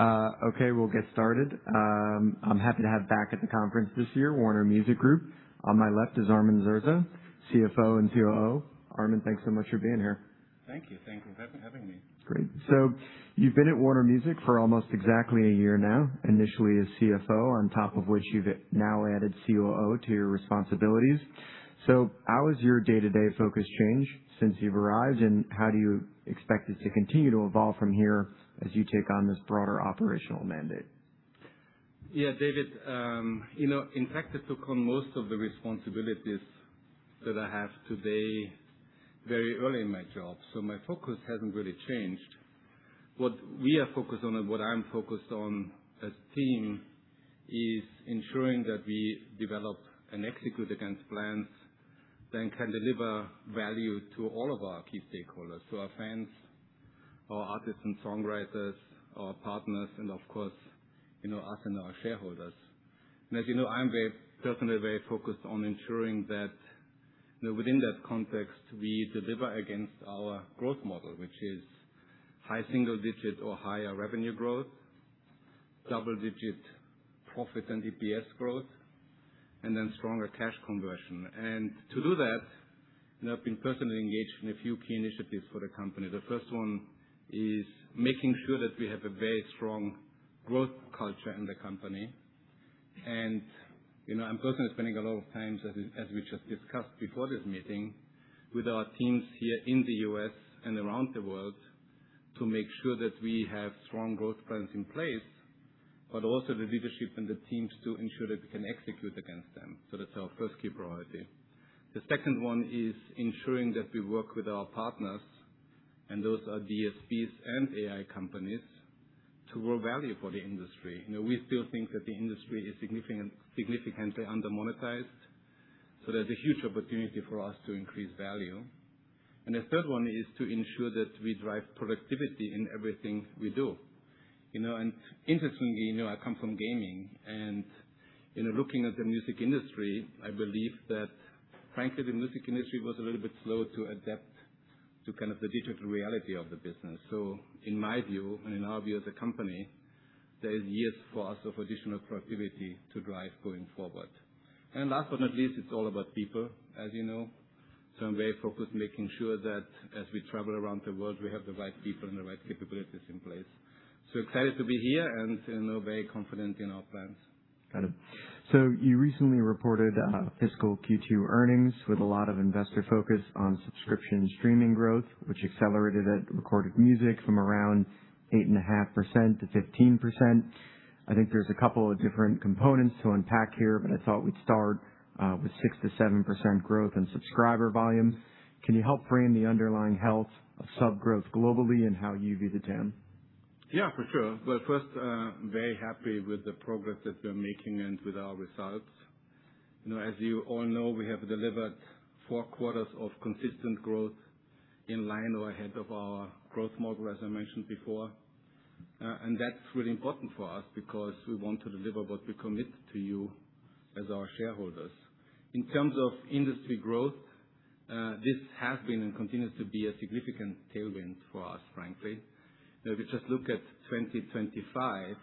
Okay, we'll get started. I'm happy to have back at the conference this year, Warner Music Group. On my left is Armin Zerza, CFO and COO. Armin, thanks so much for being here. Thank you. Thank you for having me. Great. You've been at Warner Music for almost exactly a year now, initially as CFO, on top of which you've now added COO to your responsibilities. How has your day-to-day focus changed since you've arrived, and how do you expect it to continue to evolve from here as you take on this broader operational mandate? Yeah, David. In fact, I took on most of the responsibilities that I have today very early in my job, so my focus hasn't really changed. What we are focused on and what I'm focused on as a team is ensuring that we develop and execute against plans that can deliver value to all of our key stakeholders, to our fans, our artists and songwriters, our partners, and of course, us and our shareholders. As you know, I'm personally very focused on ensuring that within that context, we deliver against our growth model, which is high single digit or higher revenue growth, double-digit profit and EPS growth, and then stronger cash conversion. To do that, I've been personally engaged in a few key initiatives for the company. The first one is making sure that we have a very strong growth culture in the company. I'm personally spending a lot of time, as we just discussed before this meeting, with our teams here in the U.S. and around the world to make sure that we have strong growth plans in place, but also the leadership and the teams to ensure that we can execute against them. That's our first key priority. The second one is ensuring that we work with our partners, and those are DSPs and AI companies, to grow value for the industry. We still think that the industry is significantly under-monetized, there's a huge opportunity for us to increase value. The third one is to ensure that we drive productivity in everything we do. Interestingly, I come from gaming, and looking at the music industry, I believe that, frankly, the music industry was a little bit slow to adapt to the digital reality of the business. In my view, and in our view as a company, there is years for us of additional productivity to drive going forward. Last but not least, it's all about people, as you know. I'm very focused, making sure that as we travel around the world, we have the right people and the right capabilities in place. Excited to be here and very confident in our plans. Got it. You recently reported fiscal Q2 earnings with a lot of investor focus on subscription streaming growth, which accelerated at recorded music from around 8.5%-15%. I think there's a couple of different components to unpack here, but I thought we'd start with 6%-7% growth in subscriber volume. Can you help frame the underlying health of sub growth globally and how you view the TAM? Yeah, for sure. First, very happy with the progress that we're making and with our results. As you all know, we have delivered four quarters of consistent growth in line or ahead of our growth model, as I mentioned before. That's really important for us because we want to deliver what we commit to you as our shareholders. In terms of industry growth, this has been and continues to be a significant tailwind for us, frankly. If you just look at 2025,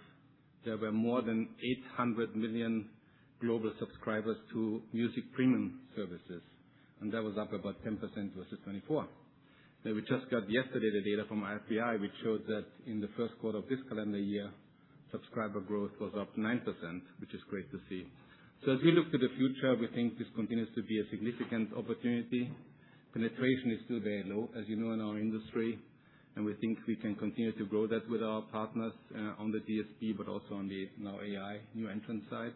there were more than 800 million global subscribers to music premium services, and that was up about 10% versus 2024. Now, we just got yesterday the data from RIAA, which showed that in the first quarter of this calendar year, subscriber growth was up 9%, which is great to see. As we look to the future, we think this continues to be a significant opportunity. Penetration is still very low, as you know, in our industry, and we think we can continue to grow that with our partners, on the DSP, but also on the now AI new entrant side.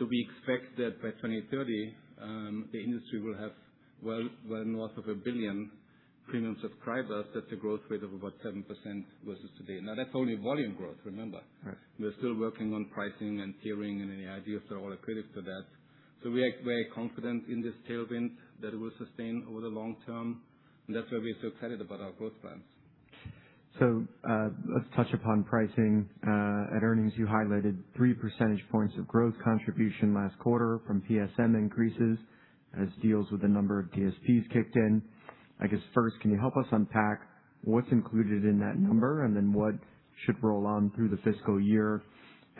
We expect that by 2030, the industry will have well north of 1 billion premium subscribers. That's a growth rate of about 7% versus today. That's only volume growth, remember. Right. We're still working on pricing and tiering and any ideas that are accredited for that. We are very confident in this tailwind that it will sustain over the long term, and that's why we're so excited about our growth plans. Let's touch upon pricing. At earnings, you highlighted 3 percentage points of growth contribution last quarter from PSM increases as deals with a number of DSPs kicked in. I guess first, can you help us unpack what's included in that number, and then what should roll on through the fiscal year?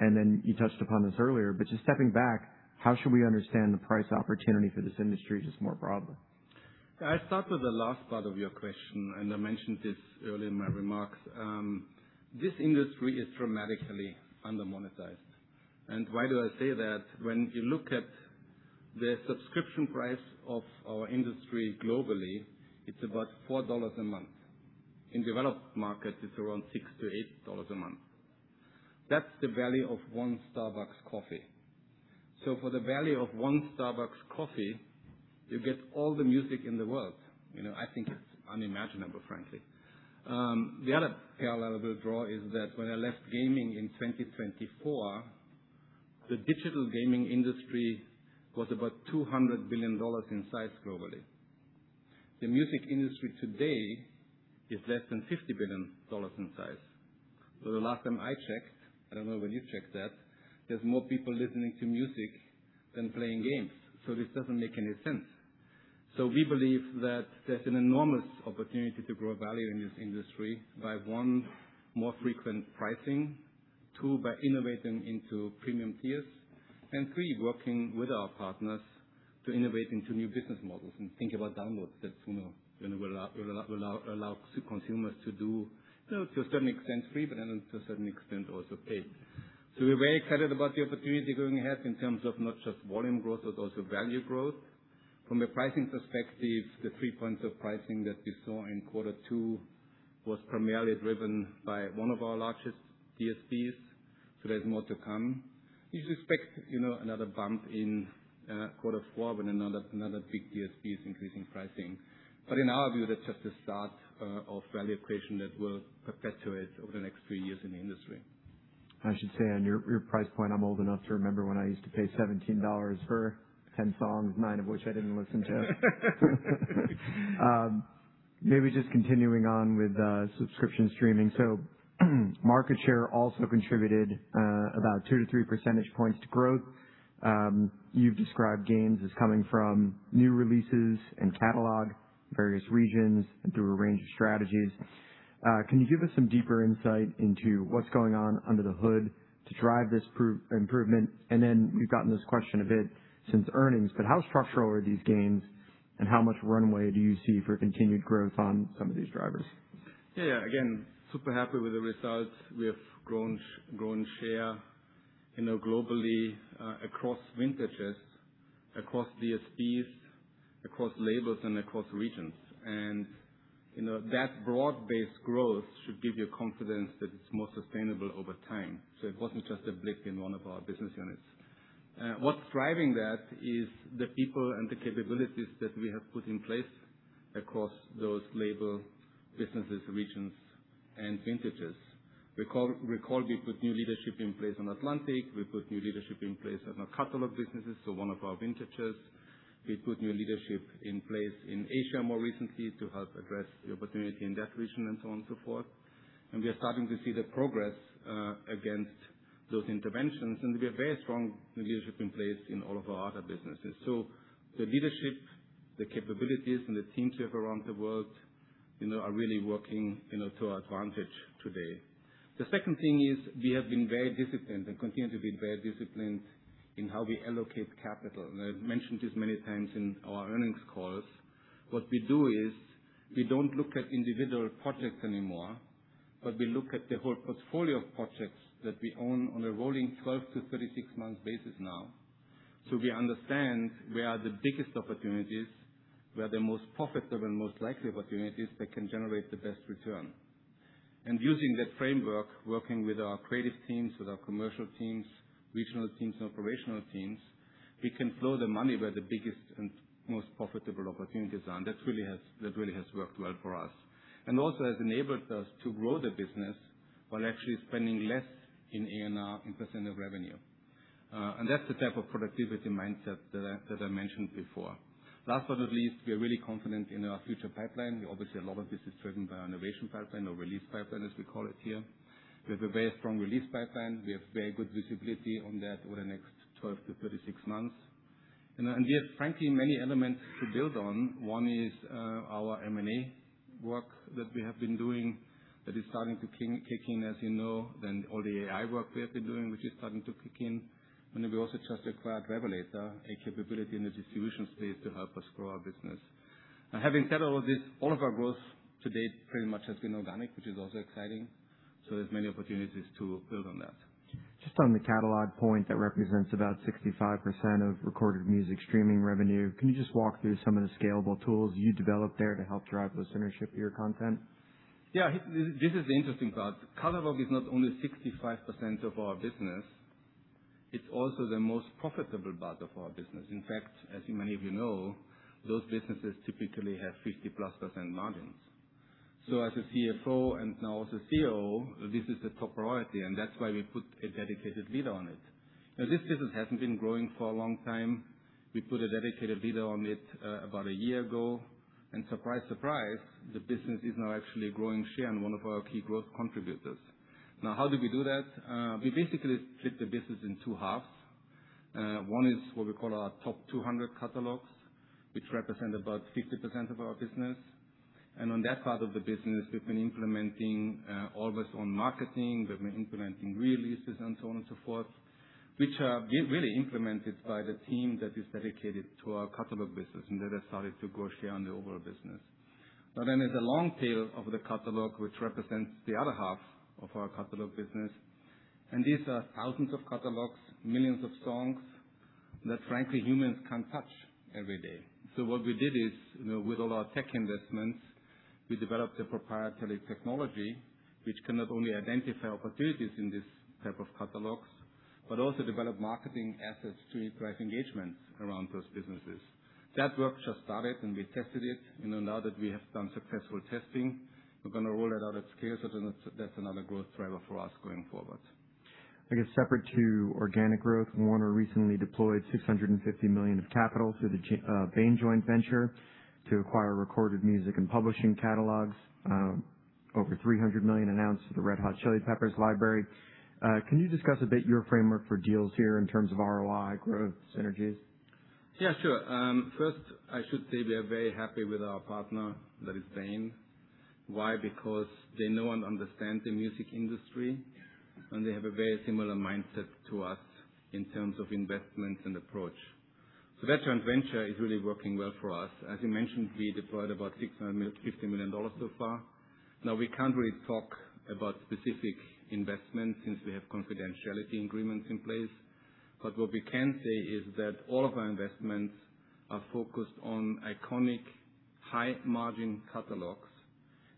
You touched upon this earlier, but just stepping back, how should we understand the price opportunity for this industry just more broadly? I start with the last part of your question, and I mentioned this earlier in my remarks. This industry is dramatically under-monetized. Why do I say that? When you look at the subscription price of our industry globally, it's about $4 a month. In developed markets, it's around $6-$8 a month. That's the value of one Starbucks coffee. For the value of one Starbucks coffee, you get all the music in the world. I think it's unimaginable, frankly. The other parallel I will draw is that when I left gaming in 2024, the digital gaming industry was about $200 billion in size globally. The music industry today is less than $50 billion in size. The last time I checked, I don't know when you checked that, there's more people listening to music than playing games. This doesn't make any sense. We believe that there's an enormous opportunity to grow value in this industry by one, more frequent pricing, two, by innovating into premium tiers, and three, working with our partners to innovate into new business models and think about downloads that will allow consumers to do, to a certain extent, free, but then to a certain extent also pay. We're very excited about the opportunity going ahead in terms of not just volume growth but also value growth. From a pricing perspective, the three points of pricing that we saw in Q2 was primarily driven by one of our largest DSPs, so there's more to come. You should expect another bump in Q4 when another big DSP is increasing pricing. In our view, that's just the start of value creation that will perpetuate over the next three years in the industry. I should say on your price point, I'm old enough to remember when I used to pay $17 for 10 songs, nine of which I didn't listen to. Maybe just continuing on with subscription streaming. Market share also contributed about 2 to 3 percentage points to growth. You've described gains as coming from new releases and catalog, various regions, and through a range of strategies. Can you give us some deeper insight into what's going on under the hood to drive this improvement? We've gotten this question a bit since earnings, but how structural are these gains and how much runway do you see for continued growth on some of these drivers? Yeah. Again, super happy with the results. We have grown share globally across vintages, across DSPs, across labels and across regions. That broad-based growth should give you confidence that it's more sustainable over time. It wasn't just a blip in one of our business units. What's driving that is the people and the capabilities that we have put in place across those label businesses, regions, and vintages. Recall, we put new leadership in place on Atlantic. We put new leadership in place on our catalog businesses, so one of our vintages. We put new leadership in place in Asia more recently to help address the opportunity in that region and so on and so forth. We are starting to see the progress against those interventions. We have very strong leadership in place in all of our other businesses. The leadership, the capabilities and the teams we have around the world are really working to our advantage today. The second thing is we have been very disciplined and continue to be very disciplined in how we allocate capital. I've mentioned this many times in our earnings calls. What we do is we don't look at individual projects anymore, but we look at the whole portfolio of projects that we own on a rolling 12 to 36-month basis now. We understand where are the biggest opportunities, where are the most profitable and most likely opportunities that can generate the best return. Using that framework, working with our creative teams, with our commercial teams, regional teams, and operational teams, we can flow the money where the biggest and most profitable opportunities are. That really has worked well for us. Also has enabled us to grow the business while actually spending less in A&R in percent of revenue. That's the type of productivity mindset that I mentioned before. Last but not least, we are really confident in our future pipeline. Obviously, a lot of this is driven by our innovation pipeline or release pipeline, as we call it here. We have a very strong release pipeline. We have very good visibility on that over the next 12 to 36 months. We have, frankly, many elements to build on. One is our M&A work that we have been doing that is starting to kick in, as you know. All the AI work we have been doing, which is starting to kick in. We also just acquired Revelator, a capability in the distribution space to help us grow our business. Having said all of this, all of our growth to date pretty much has been organic, which is also exciting. There's many opportunities to build on that. Just on the catalog point that represents about 65% of recorded music streaming revenue, can you just walk through some of the scalable tools you developed there to help drive listener-ship to your content? Yeah. This is the interesting part. Catalog is not only 65% of our business, it's also the most profitable part of our business. In fact, as many of you know, those businesses typically have 50%+ margins. As a CFO and now as a COO, this is the top priority, and that's why we put a dedicated leader on it. This business hasn't been growing for a long time. We put a dedicated leader on it about a year ago, and surprise, the business is now actually a growing share and one of our key growth contributors. How did we do that? We basically split the business in two halves. One is what we call our top 200 catalogs, which represent about 50% of our business. On that part of the business, we've been implementing all of its own marketing, we've been implementing releases and so on and so forth, which are being really implemented by the team that is dedicated to our catalog business. That has started to grow share on the overall business. There's a long tail of the catalog, which represents the other half of our catalog business. These are thousands of catalogs, millions of songs that frankly humans can't touch every day. What we did is, with all our tech investments, we developed a proprietary technology which can not only identify opportunities in these type of catalogs, but also develop marketing assets to drive engagement around those businesses. That work just started, and we tested it. Now, that we have done successful testing, we're going to roll that out at scale, so that's another growth driver for us going forward. I guess separate to organic growth, Warner recently deployed $650 million of capital through the Bain joint venture to acquire recorded music and publishing catalogs. Over $300 million announced for the Red Hot Chili Peppers library. Can you discuss a bit your framework for deals here in terms of ROI growth synergies? Yeah, sure. First, I should say we are very happy with our partner, that is Bain. Why? They know and understand the music industry, and they have a very similar mindset to us in terms of investments and approach. That joint venture is really working well for us. As you mentioned, we deployed about $650 million so far. We can't really talk about specific investments since we have confidentiality agreements in place. What we can say is that all of our investments are focused on iconic high-margin catalogs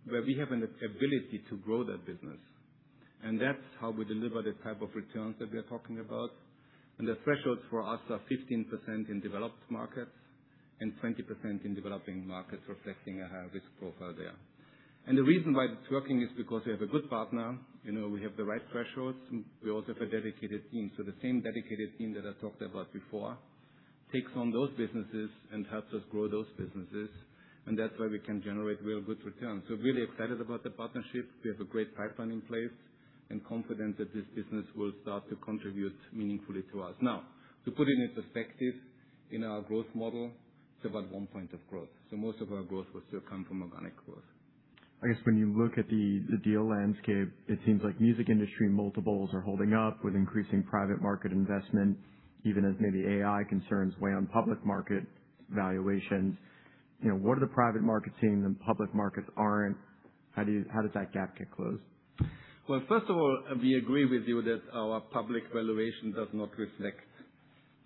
where we have an ability to grow that business. That's how we deliver the type of returns that we are talking about. The thresholds for us are 15% in developed markets and 20% in developing markets, reflecting a higher risk profile there. The reason why it's working is because we have a good partner, we have the right thresholds, and we also have a dedicated team. The same dedicated team that I talked about before takes on those businesses and helps us grow those businesses, and that's why we can generate real good returns. Really excited about the partnership. We have a great pipeline in place and confident that this business will start to contribute meaningfully to us. To put it into perspective, in our growth model, it's about one point of growth. Most of our growth will still come from organic growth. I guess when you look at the deal landscape, it seems like music industry multiples are holding up with increasing private market investment, even as maybe AI concerns weigh on public market valuations. What are the private markets seeing the public markets aren't? How does that gap get closed? Well, first of all, we agree with you that our public valuation does not reflect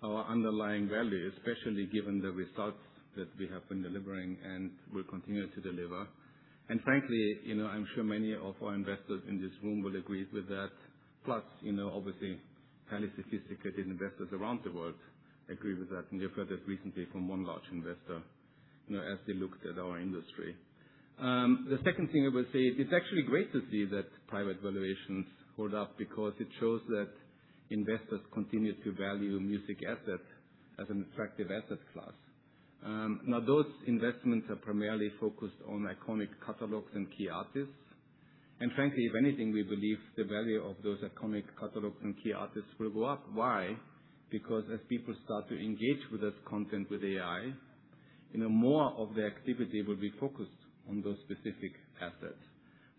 our underlying value, especially given the results that we have been delivering and will continue to deliver. Frankly, I'm sure many of our investors in this room will agree with that. Plus, obviously, highly sophisticated investors around the world agree with that, and we have heard this recently from one large investor, as they looked at our industry. The second thing I will say is it's actually great to see that private valuations hold up because it shows that investors continue to value music assets as an attractive asset class. Now, those investments are primarily focused on iconic catalogs and key artists. Frankly, if anything, we believe the value of those iconic catalogs and key artists will go up. Why? As people start to engage with that content with AI, more of the activity will be focused on those specific assets.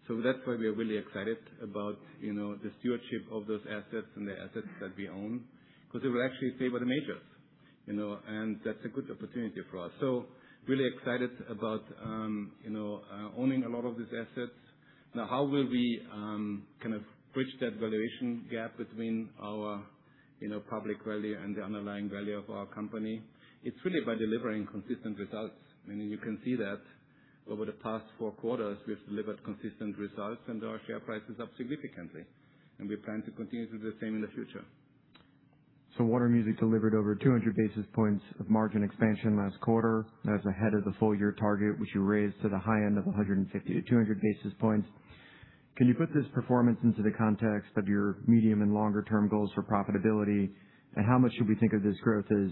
That's why we are really excited about the stewardship of those assets and the assets that we own, because they will actually favor the majors. That's a good opportunity for us. Really excited about owning a lot of these assets. How will we bridge that valuation gap between our public value and the underlying value of our company? It's really by delivering consistent results, meaning you can see that over the past four quarters, we've delivered consistent results and our share price is up significantly, and we plan to continue to do the same in the future. Warner Music delivered over 200 basis points of margin expansion last quarter. That's ahead of the full-year target, which you raised to the high end of 150-200 basis points. Can you put this performance into the context of your medium and longer-term goals for profitability? How much should we think of this growth as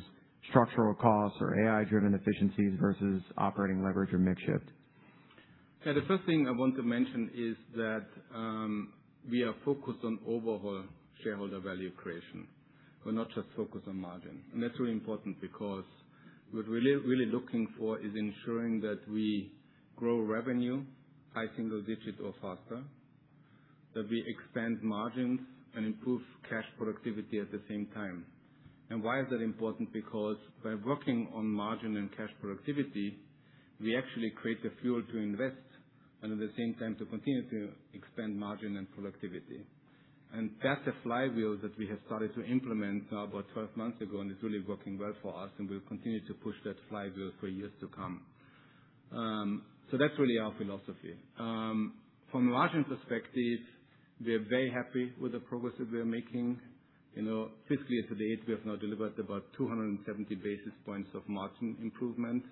structural costs or AI-driven efficiencies versus operating leverage or mix shift? Yeah. The first thing I want to mention is that we are focused on overall shareholder value creation. We're not just focused on margin. That's really important because what we're really looking for is ensuring that we grow revenue high single digit or faster, that we expand margins and improve cash productivity at the same time. Why is that important? Because by working on margin and cash productivity, we actually create the fuel to invest and at the same time to continue to expand margin and productivity. That's a flywheel that we have started to implement about 12 months ago, and it's really working well for us, and we'll continue to push that flywheel for years to come. That's really our philosophy. From a margin perspective, we are very happy with the progress that we are making. Fiscal year to date, we have now delivered about 270 basis points of margin improvement,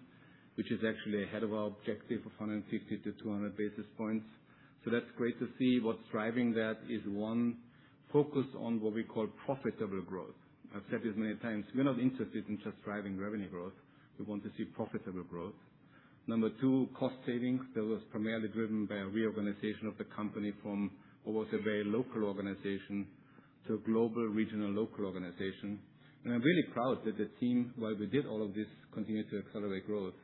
which is actually ahead of our objective of 150-200 basis points. That's great to see. What's driving that is, one, focus on what we call profitable growth. I've said this many times. We're not interested in just driving revenue growth. We want to see profitable growth. Number two, cost savings. That was primarily driven by a reorganization of the company from what was a very local organization to a global, regional, local organization. I'm really proud that the team, while we did all of this, continued to accelerate growth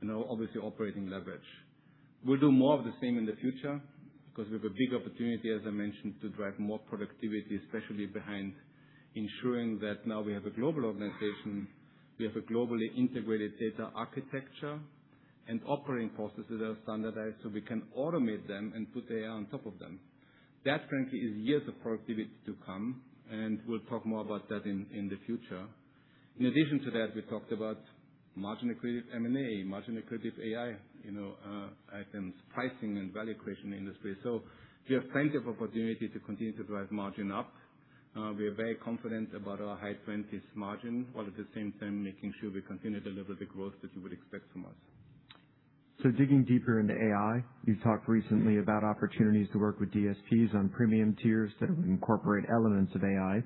and obviously operating leverage. We'll do more of the same in the future because we have a big opportunity, as I mentioned, to drive more productivity, especially behind ensuring that now we have a global organization, we have a globally integrated data architecture and operating processes that are standardized so we can automate them and put AI on top of them. That, frankly, is years of productivity to come, and we'll talk more about that in the future. In addition to that, we talked about margin-accretive M&A, margin-accretive AI items, pricing and value creation in the industry. We have plenty of opportunity to continue to drive margin up. We are very confident about our high twenties margin, while at the same time making sure we continue to deliver the growth that you would expect from us. Digging deeper into AI, you've talked recently about opportunities to work with DSPs on premium tiers that would incorporate elements of AI.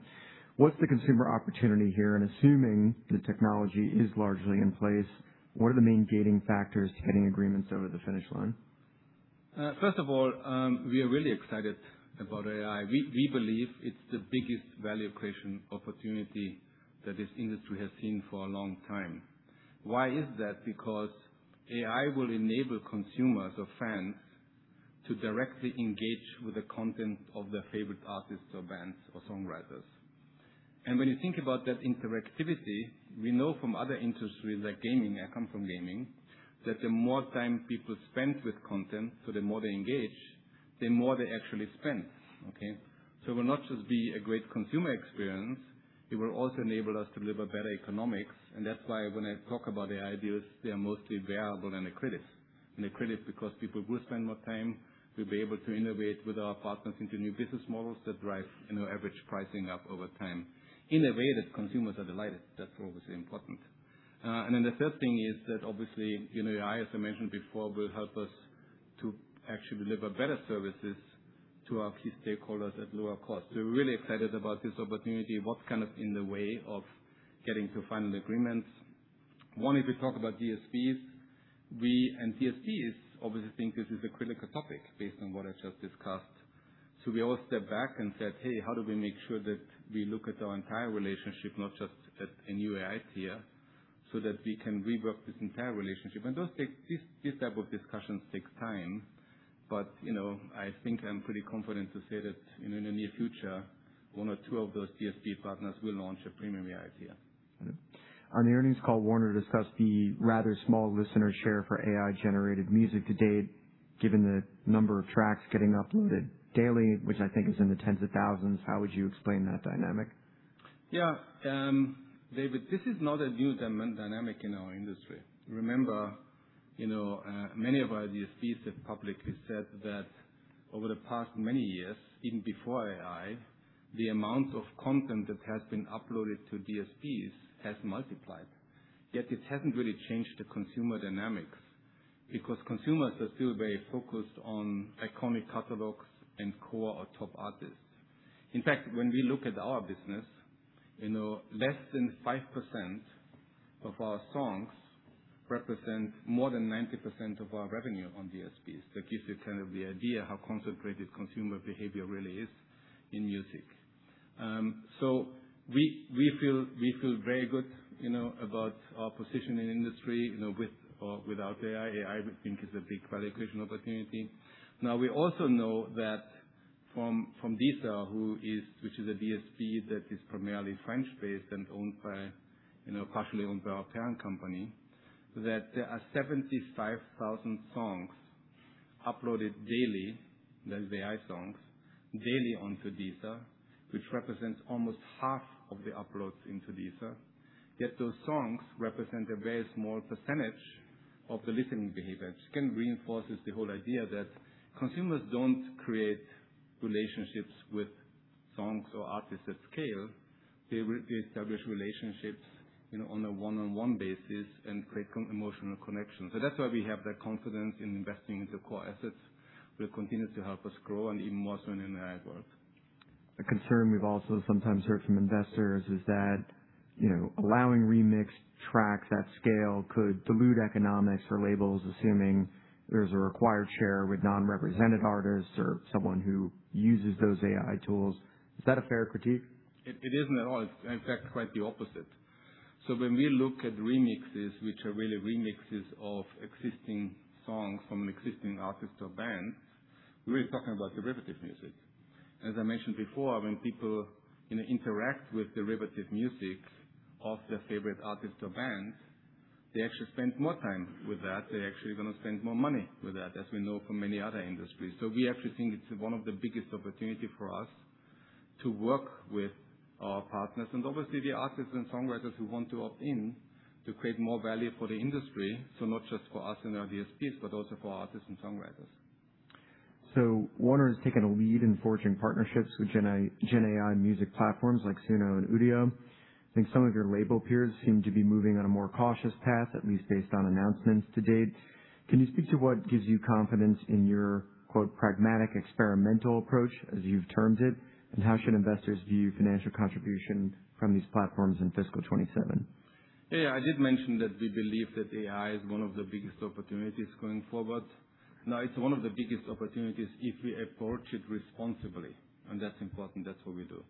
What's the consumer opportunity here? Assuming the technology is largely in place, what are the main gating factors to getting agreements over the finish line? First of all, we are really excited about AI. We believe it's the biggest value creation opportunity that this industry has seen for a long time. Why is that? Because AI will enable consumers or fans to directly engage with the content of their favorite artists or bands or songwriters. When you think about that interactivity, we know from other industries like gaming, I come from gaming, that the more time people spend with content, so the more they engage, the more they actually spend. Okay? It will not just be a great consumer experience, it will also enable us to deliver better economics, and that's why when I talk about AI deals, they are mostly variable and accretive. Accretive because people will spend more time, we'll be able to innovate with our partners into new business models that drive average pricing up over time. In a way that consumers are delighted, that's obviously important. The third thing is that obviously, AI, as I mentioned before, will help us to actually deliver better services to our key stakeholders at lower cost. We're really excited about this opportunity. What's kind of in the way of getting to final agreements? One, if we talk about DSPs, we and DSPs obviously think this is a critical topic based on what I just discussed. We all stepped back and said, "Hey, how do we make sure that we look at our entire relationship, not just at a new AI tier, so that we can rework this entire relationship?" This type of discussion takes time, but I think I'm pretty confident to say that in the near future, one or two of those DSP partners will launch a premium AI tier. On the earnings call, Warner Music discussed the rather small listener share for AI-generated music to date, given the number of tracks getting uploaded daily, which I think is in the tens of thousands. How would you explain that dynamic? Yeah. David, this is not a new dynamic in our industry. Remember, many of our DSPs have publicly said that over the past many years, even before AI, the amount of content that has been uploaded to DSPs has multiplied. Yet it hasn't really changed the consumer dynamics because consumers are still very focused on iconic catalogs and core or top artists. In fact, when we look at our business, less than 5% of our songs represent more than 90% of our revenue on DSPs. That gives you kind of the idea how concentrated consumer behavior really is in music. We feel very good about our position in the industry, with or without AI. AI, we think, is a big value creation opportunity. We also know that from Deezer, which is a DSP that is primarily French-based and partially owned by our parent company, that there are 75,000 songs uploaded daily, that is AI songs, daily onto Deezer, which represents almost half of the uploads into Deezer, yet those songs represent a very small percentage of the listening behavior. Kind of reinforces the whole idea that consumers don't create relationships with songs or artists at scale. They establish relationships on a one-on-one basis and create emotional connections. That's why we have that confidence in investing into core assets will continue to help us grow and even more so in AI world. A concern we've also sometimes heard from investors is that allowing remixed tracks at scale could dilute economics for labels, assuming there's a required share with non-represented artists or someone who uses those AI tools. Is that a fair critique? It isn't at all. In fact, quite the opposite. When we look at remixes, which are really remixes of existing songs from an existing artist or band, we're really talking about derivative music. As I mentioned before, when people interact with derivative music of their favorite artist or band, they actually spend more time with that. They're actually going to spend more money with that, as we know from many other industries. We actually think it's one of the biggest opportunity for us to work with our partners and obviously the artists and songwriters who want to opt in to create more value for the industry. Not just for us and our DSPs, but also for our artists and songwriters. Warner has taken a lead in forging partnerships with GenAI music platforms like Suno and Udio. I think some of your label peers seem to be moving on a more cautious path, at least based on announcements to date. Can you speak to what gives you confidence in your, quote, "pragmatic, experimental approach," as you've termed it, and how should investors view financial contribution from these platforms in fiscal 2027? Yeah. I did mention that we believe that AI is one of the biggest opportunities going forward. Now, it's one of the biggest opportunities if we approach it responsibly. That's important. That's what we do.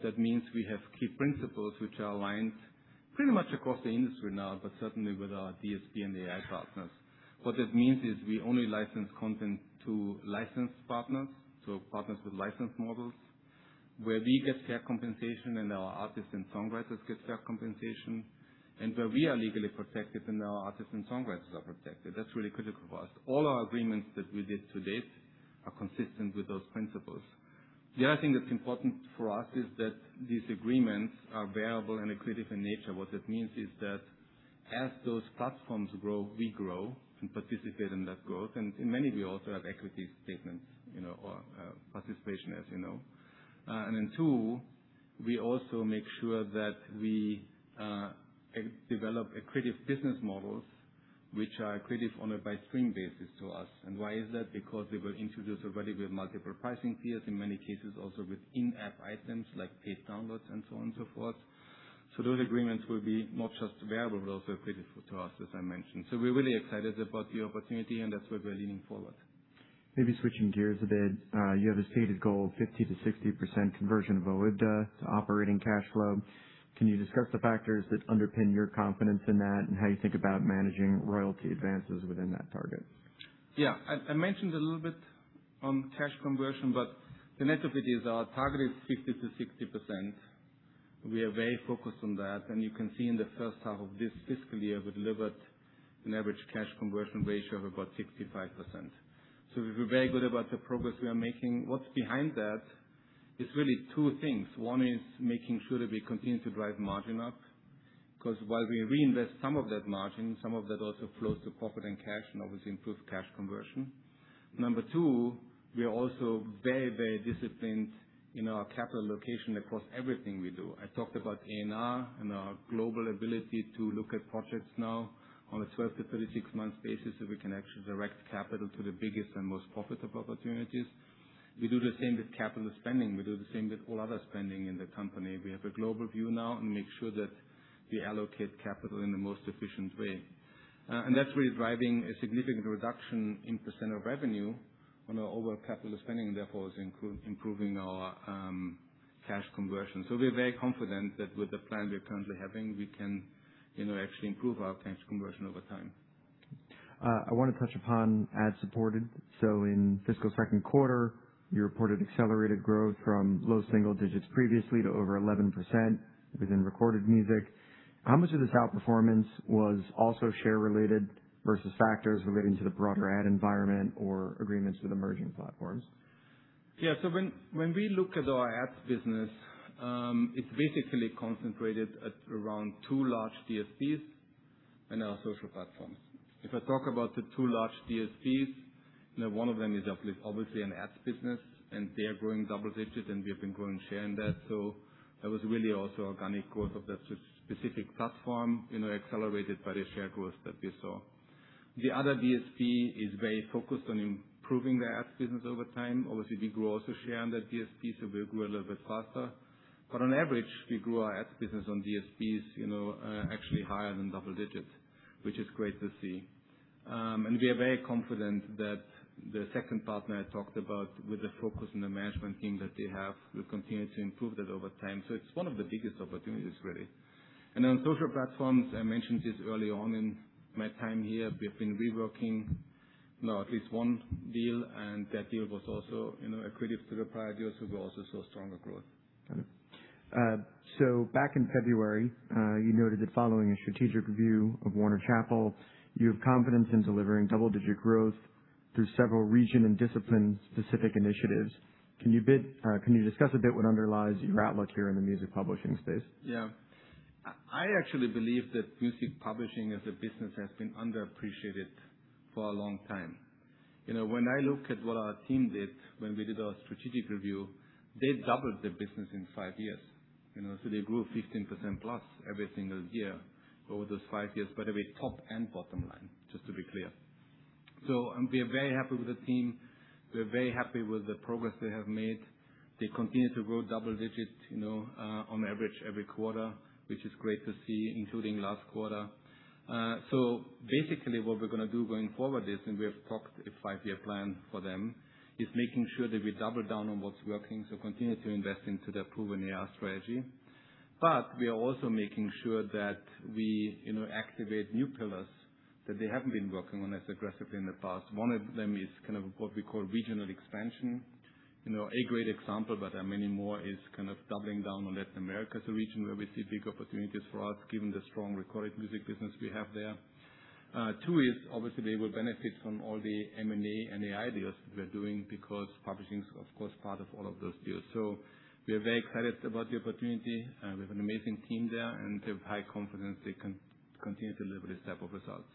That means we have key principles which are aligned pretty much across the industry now, but certainly with our DSP and AI partners. What that means is we only license content to licensed partners, so partners with licensed models, where we get fair compensation and our artists and songwriters get fair compensation, and where we are legally protected and our artists and songwriters are protected. That's really critical for us. All our agreements that we did to date are consistent with those principles. The other thing that's important for us is that these agreements are variable and accretive in nature. What that means is that as those platforms grow, we grow and participate in that growth. In many, we also have equity statements or participation, as you know. Two, we also make sure that we develop accretive business models, which are accretive on a by stream basis to us. Why is that? Because we will introduce a value with multiple pricing tiers, in many cases also with in-app items like paid downloads and so on and so forth. Those agreements will be not just variable, but also accretive to us, as I mentioned. We're really excited about the opportunity, and that's where we're leaning forward. Maybe switching gears a bit, you have a stated goal, 50%-60% conversion of OIBDA to operating cash flow. Can you discuss the factors that underpin your confidence in that and how you think about managing royalty advances within that target? Yeah. I mentioned a little bit on cash conversion, but the net of it is our target is 50%-60%. We are very focused on that. You can see in the first half of this fiscal year, we delivered an average cash conversion ratio of about 65%. We feel very good about the progress we are making. What's behind that is really two things. One is making sure that we continue to drive margin up, because while we reinvest some of that margin, some of that also flows to profit and cash and obviously improve cash conversion. Number two, we are also very disciplined in our capital allocation across everything we do. I talked about A&R and our global ability to look at projects now on a 12 to 36-month basis, so we can actually direct capital to the biggest and most profitable opportunities. We do the same with capital spending. We do the same with all other spending in the company. We have a global view now and make sure that we allocate capital in the most efficient way. That's really driving a significant reduction in percent of revenue on our overall capital spending, therefore is improving our cash conversion. We're very confident that with the plan we're currently having, we can actually improve our cash conversion over time. I want to touch upon ad-supported. In fiscal second quarter, you reported accelerated growth from low single digits previously to over 11% within recorded music. How much of this outperformance was also share related versus factors relating to the broader ad environment or agreements with emerging platforms? Yeah. When we look at our ads business, it's basically concentrated at around two large DSPs and our social platforms. If I talk about the two large DSPs, one of them is obviously an ads business, and they are growing double digits, and we have been growing share in that. That was really also organic growth of that specific platform accelerated by the share growth that we saw. The other DSP is very focused on improving their ads business over time. Obviously, we grow also share on that DSP, so we grew a little bit faster. On average, we grew our ads business on DSPs actually higher than double digits, which is great to see. We are very confident that the second partner I talked about with the focus on the management team that they have will continue to improve that over time. It's one of the biggest opportunities, really. On social platforms, I mentioned this early on in my time here, we've been reworking now at least one deal, and that deal was also accretive to the prior years, we've also saw stronger growth. Got it. Back in February, you noted that following a strategic review of Warner Chappell, you have confidence in delivering double-digit growth through several region and discipline-specific initiatives. Can you discuss a bit what underlies your outlook here in the music publishing space? Yeah. I actually believe that music publishing as a business has been underappreciated for a long time. When I look at what our team did when we did our strategic review, they doubled the business in five years. They grew 15% plus every single year over those five years, by the way, top and bottom line, just to be clear. We are very happy with the team. We are very happy with the progress they have made. They continue to grow double digits on average every quarter, which is great to see, including last quarter. Basically, what we're going to do going forward is, and we have talked a five-year plan for them, is making sure that we double down on what's working, so continue to invest into their proven A&R strategy. We are also making sure that we activate new pillars that they haven't been working on as aggressively in the past. One of them is what we call regional expansion. A great example, but there are many more, is doubling down on Latin America as a region where we see big opportunities for us, given the strong recorded music business we have there. Two is, obviously, we will benefit from all the M&A and AI deals we are doing because publishing is, of course, part of all of those deals. We are very excited about the opportunity. We have an amazing team there, and we have high confidence they can continue to deliver this type of results.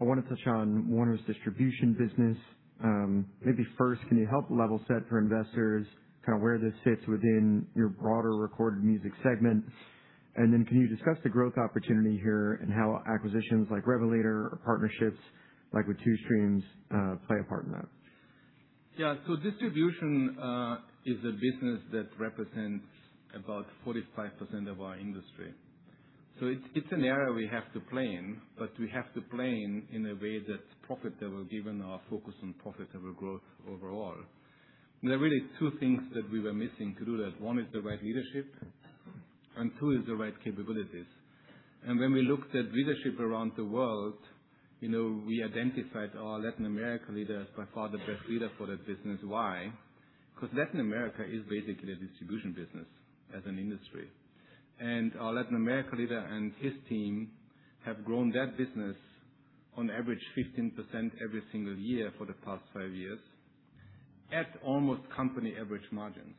I want to touch on Warner's distribution business. Maybe first, can you help level set for investors where this fits within your broader recorded music segment? Then can you discuss the growth opportunity here and how acquisitions like Revelator or partnerships like with Two Streams play a part in that? Yeah. Distribution is a business that represents about 45% of our industry. It's an area we have to play in, but we have to play in in a way that's profitable given our focus on profitable growth overall. There are really two things that we were missing to do that. One is the right leadership, and two is the right capabilities. When we looked at leadership around the world, we identified our Latin America leader as by far the best leader for that business. Why? Because Latin America is basically a distribution business as an industry. Our Latin America leader and his team have grown that business on average 15% every single year for the past five years at almost company average margins.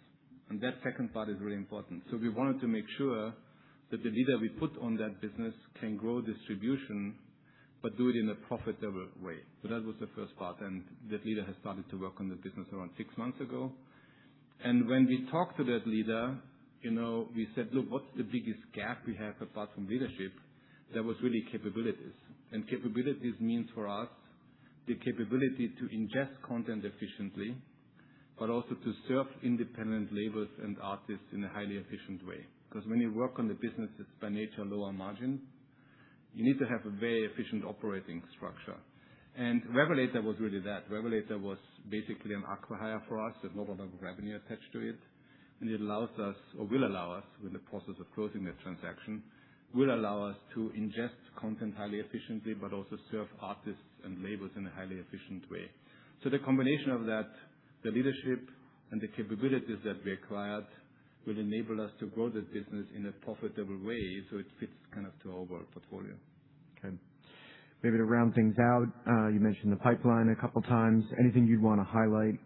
That second part is really important. We wanted to make sure that the leader we put on that business can grow distribution but do it in a profitable way. That was the first part, and that leader has started to work on the business around stage months ago. When we talked to that leader, we said, "Look, what's the biggest gap we have apart from leadership?" That was really capabilities. Capabilities means for us the capability to ingest content efficiently, but also to serve independent labels and artists in a highly efficient way. Because when you work on the businesses by nature, lower margin, you need to have a very efficient operating structure. Revelator was really that. Revelator was basically an acquihire for us with no revenue attached to it. It allows us or will allow us, we're in the process of closing that transaction, will allow us to ingest content highly efficiently, but also serve artists and labels in a highly efficient way. The combination of that, the leadership and the capabilities that we acquired, will enable us to grow the business in a profitable way so it fits to our portfolio. Okay. Maybe to round things out, you mentioned the pipeline a couple times. Anything you'd want to highlight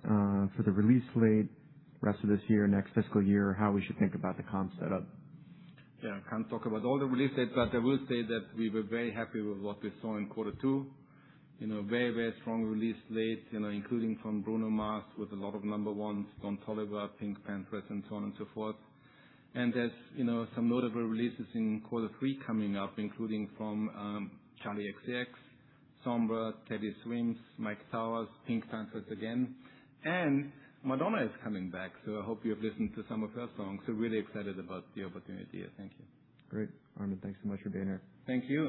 for the release slate rest of this year, next fiscal year? How we should think about the comp setup? Yeah. I can't talk about all the release dates, but I will say that we were very happy with what we saw in quarter two. Very strong release slate including from Bruno Mars with a lot of number ones, Don Toliver, PinkPantheress, and so on and so forth. There's some notable releases in quarter three coming up, including from Charli XCX, Sombr, Teddy Swims, Myke Towers, PinkPantheress again, and Madonna is coming back, so I hope you've listened to some of her songs. Really excited about the opportunity here. Thank you. Great. Armin, thanks so much for being here. Thank you.